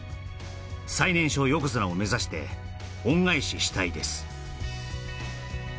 「最年少横綱を目指して恩返ししたいです」